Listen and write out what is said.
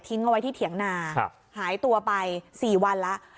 ทิ้งเอาไว้ที่เถียงนาใช่หายตัวไปสี่วันแล้ว